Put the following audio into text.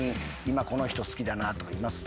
今この人好きだなとかいます？